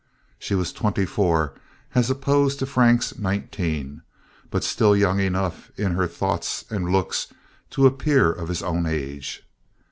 She was twenty four as opposed to Frank's nineteen, but still young enough in her thoughts and looks to appear of his own age.